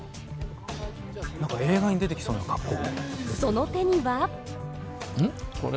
なんか映画に出てきそうな格好。